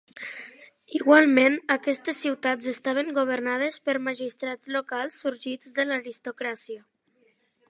Igualment aquestes ciutats estaven governades per magistrats locals sorgits de l'aristocràcia.